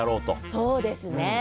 そうですね。